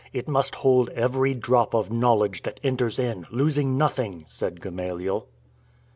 It must hold every drop of knowl edge that enters in, losing nothing," said Gamaliel.